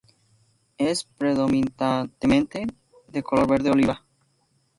Es predominantemente de color verde oliva.